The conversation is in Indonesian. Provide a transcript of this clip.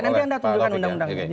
nanti anda tunjukkan undang undangnya